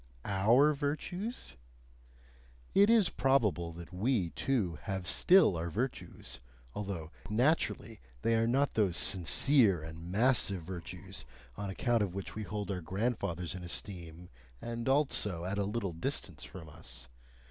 OUR Virtues? It is probable that we, too, have still our virtues, although naturally they are not those sincere and massive virtues on account of which we hold our grandfathers in esteem and also at a little distance from us.